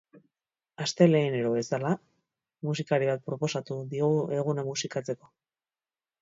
Astelehenero bezala, musikari bat proposatu digu eguna musikatzeko.